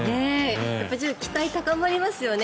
期待が高まりますよね